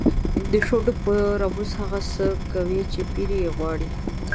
د شونډو په رموز هغه څه کوي چې پیر یې غواړي.